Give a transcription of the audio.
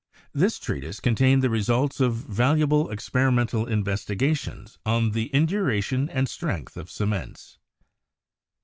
This treatise contained the results of valuable experimental in vestigations on the induration and strength of cements.